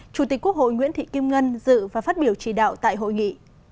chủ tịch quốc hội nguyễn thị kim ngân dự và phát biểu chỉ đạo tại hội nghị